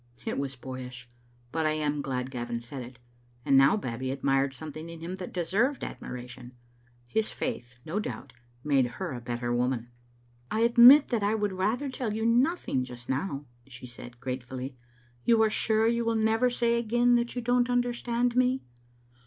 It was boyish, but I am glad Gavin said it ; and now Babbie admired something in him that deserved ad miration. His faith, no doubt, made her a better woman. " I admit that I would rather tell you nothing just now," she said, gratefully. "You are sure you will never say again that you don't understand me?"